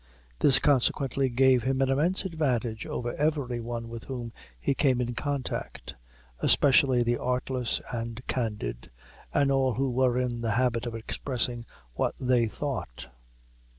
This consequently gave him an immense advantage over every one with whom he came in contact, especially the artless and candid, and all who were in the habit of expressing what they thought.